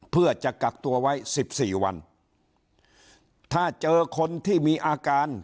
เพื่อจะกักตัวไว้สิบสี่วันถ้าเจอคนที่มีอาการ